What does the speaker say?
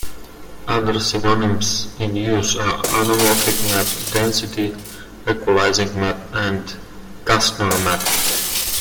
Other synonyms in use are "anamorphic map", "density-equalizing map" and "Gastner map".